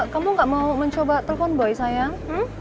kamu gak mau mencoba telepon boy sayang